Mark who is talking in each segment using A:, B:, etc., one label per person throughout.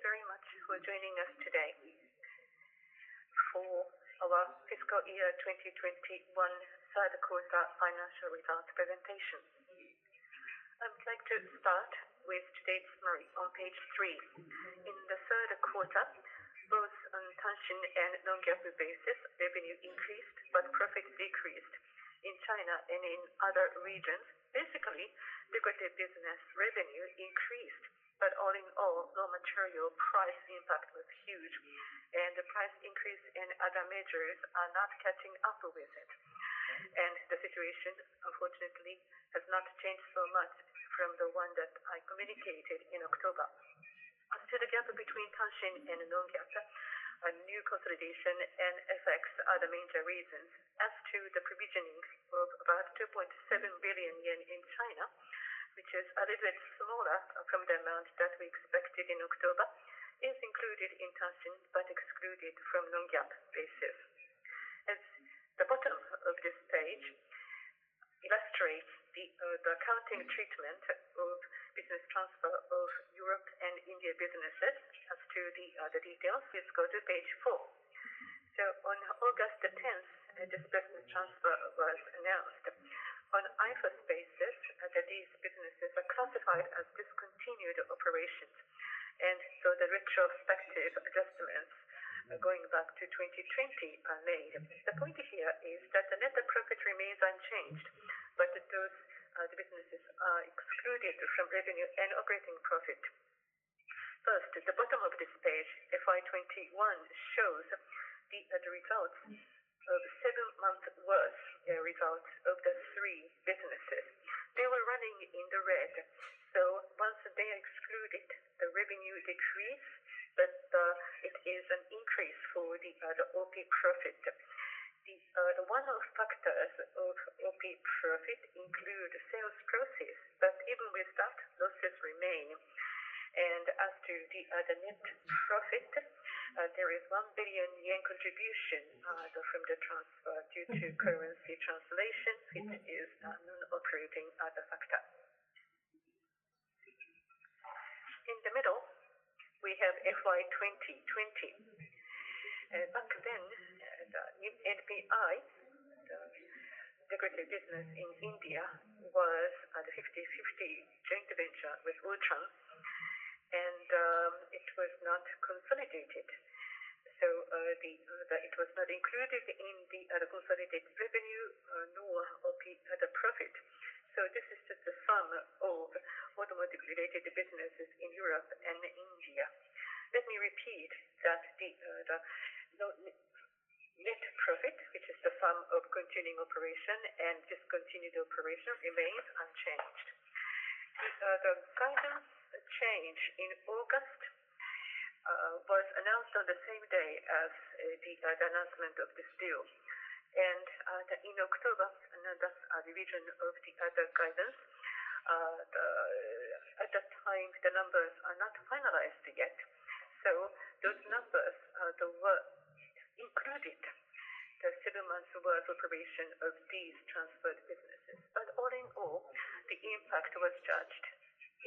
A: Thank you very much for joining us today for our fiscal year 2021 Q3 financial results presentation. I would like to start with today's summary on page three. In the Q3, both on Tanshin and non-GAAP basis, revenue increased but profit decreased in China and in other regions. Basically, decorative paints revenue increased, but all in all, raw material price impact was huge and the price increase in other measures are not catching up with it. The situation, unfortunately, has not changed so much from the one that I communicated in October. As to the gap between Tanshin and non-GAAP, a new consolidation and effects are the major reasons. As to the provisionings of about 2.7 billion yen in China, which is a little bit smaller from the amount that we expected in October, is included in Tanshin but excluded from non-GAAP basis. At the bottom of this page illustrates the accounting treatment of business transfer of Europe and India businesses. As to the details, please go to page four. On August 10, this business transfer was announced. On IFRS basis, these businesses are classified as discontinued operations, the retrospective adjustments going back to 2020 are made. The point here is that the net profit remains unchanged, but those businesses are excluded from revenue and operating profit. First, at the bottom of this page, FY 2021 shows the results of seven months worth of results of the three businesses. They were running in the red. Once they excluded, the revenue decreased, but it is an increase for the OP profit. The one-off factors of OP profit include sales proceeds, but even with that, losses remain. As to the net profit, there is 1 billion yen contribution from the transfer due to currency translation, which is non-operating factor. In the middle, we have FY 2020. Back then, the NIPSEA, the decorative paints in India, was the 50/50 joint venture with Wuthelam, and it was not consolidated. It was not included in the consolidated revenue nor OP, the profit. This is just the sum of Nippon-related businesses in Europe and India. Let me repeat that the net profit, which is the sum of continuing operations and discontinued operations, remains unchanged. The guidance change in August was announced on the same day as the announcement of this deal. In October, another revision of the other guidance. At that time, the numbers are not finalized yet, so those numbers, they were included, the seven months worth of provision of these transferred businesses. All in all, the impact was judged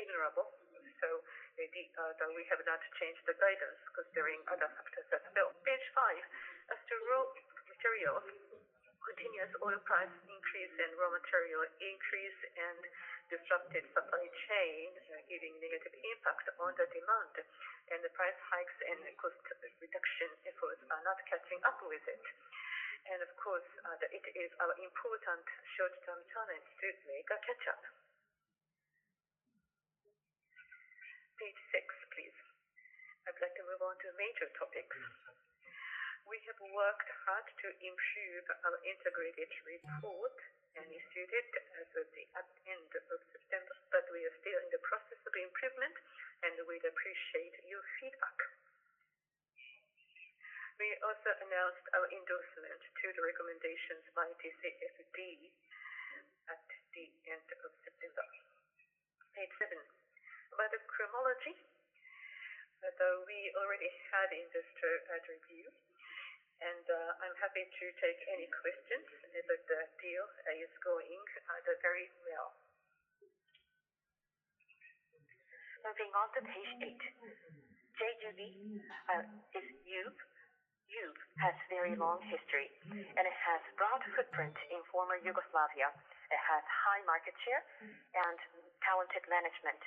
A: ignorable. We have not changed the guidance considering other factors as well. Page five. As to raw material, continuous oil price increase and raw material increase and disrupted supply chain giving negative impact on the demand and the price hikes and cost reduction efforts are not catching up with it. Of course, it is our important short-term challenge to make a catch-up. Page six, please. I'd like to move on to major topics. We have worked hard to improve our integrated report and issued it as of the end of September, but we are still in the process of improvement and we'd appreciate your feedback. We also announced our endorsement to the recommendations by TCFD at the end of September. Page seven. About Cromology, although we already had investor review, and I'm happy to take any questions. The deal is going very well.
B: Moving on to page eight. JUB is JUB. JUB has very long history, and it has broad footprint in former Yugoslavia. It has high market share and talented management,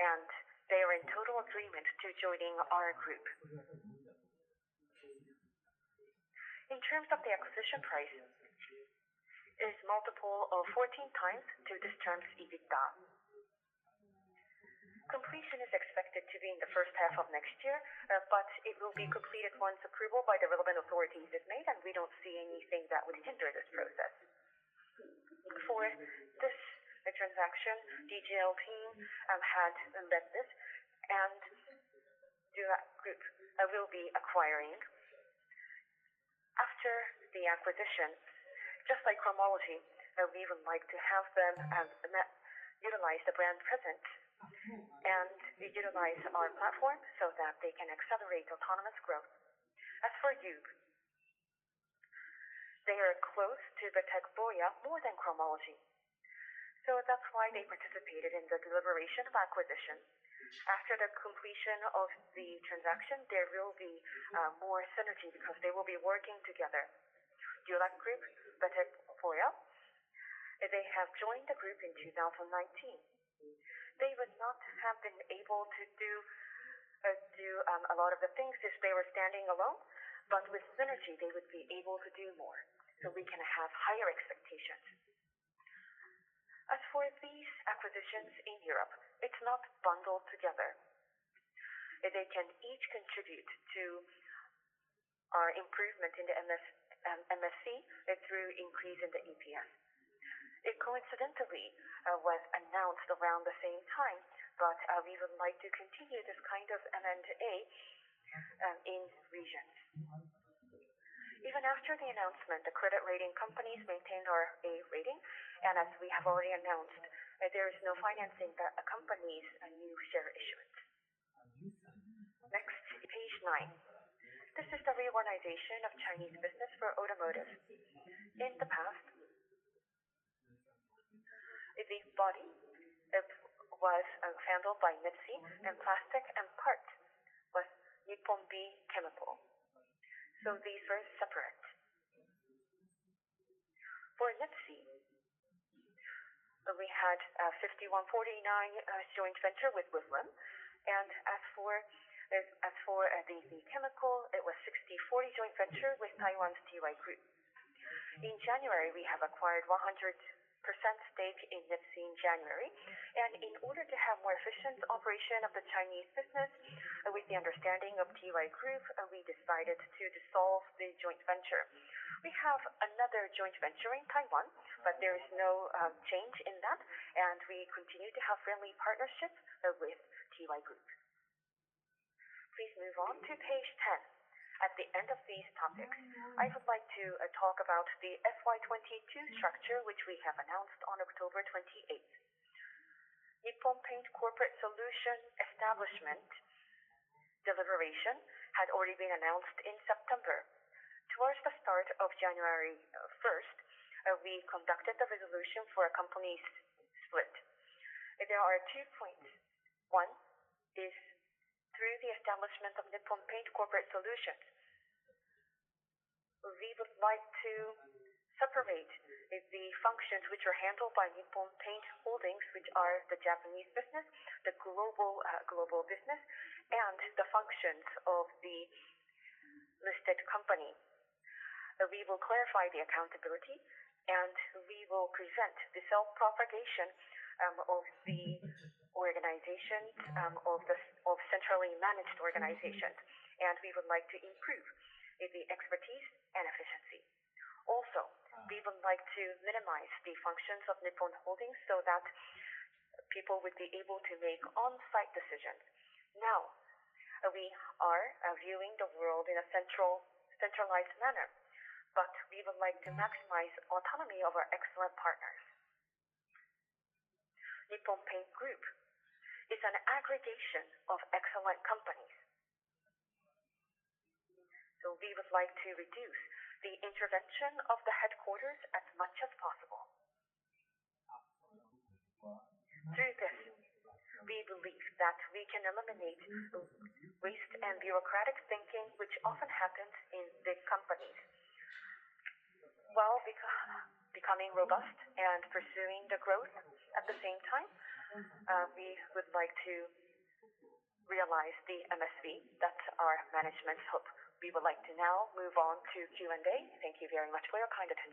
B: and they are in total agreement to joining our group. In terms of the acquisition price, it's multiple of 14 times this term's EBITDA. Completion is expected to be in the first half of next year, but it will be completed once approval by the relevant authorities is made, and we don't see anything that would hinder this process. For this transaction, DGL team had invested and DuluxGroup will be acquiring. After the acquisition, just like Cromology, we would like to have them utilize the brand presence and utilize our platform so that they can accelerate autonomous growth. As for JUB, they are close to the Betek Boya more than Cromology. That's why they participated in the deliberation of acquisition. After the completion of the transaction, there will be more synergy because they will be working together. DuluxGroup, Betek Boya, they have joined the group in 2019. They would not have been able to do a lot of the things if they were standing alone. With synergy, they would be able to do more. We can have higher expectations. As for these acquisitions in Europe, it's not bundled together. They can each contribute to our improvement in the MSV through increase in the EPS. It coincidentally was announced around the same time, but we would like to continue this kind of M&A in region. Even after the announcement, the credit rating companies maintained our A rating, and as we have already announced, there is no financing that accompanies a new share issuance. Next, page nine. This is the reorganization of Chinese business for automotive. In the past, the body was handled by NIPSEA, and plastic and parts was Nippon Bee Chemical. So these were separate. For NIPSEA, we had a 60/40 joint venture with Wuthelam. As for the chemical, it was 60/40 joint venture with Taiwan's TTY Group. In January, we have acquired 100% stake in NIPSEA in January. In order to have more efficient operation of the Chinese business, with the understanding of TTY Group, we decided to dissolve the joint venture. We have another joint venture in Taiwan, but there is no change in that, and we continue to have friendly partnership with TTY Group. Please move on to page 10. At the end of these topics, I would like to talk about the FY 2022 structure, which we have announced on October 28. Nippon Paint Corporate Solutions establishment deliberation had already been announced in September. Towards the start of January, first, we conducted the resolution for a company split. There are two points. One is through the establishment of Nippon Paint Corporate Solutions, we would like to separate the functions which are handled by Nippon Paint Holdings, which are the Japanese business, the global business, and the functions of the listed company. We will clarify the accountability, and we will present the self-propagating organization of the centrally managed organizations. We would like to improve the expertise and efficiency. Also, we would like to minimize the functions of Nippon Paint Holdings so that people would be able to make on-site decisions. Now, we are viewing the world in a centralized manner, but we would like to maximize autonomy of our excellent partners. Nippon Paint Group is an aggregation of excellent companies. We would like to reduce the intervention of the headquarters as much as possible. Through this, we believe that we can eliminate waste and bureaucratic thinking, which often happens in big companies. While becoming robust and pursuing the growth at the same time, we would like to realize the MSV. That's our management hope. We would like to now move on to Q&A. Thank you very much for your kind attention.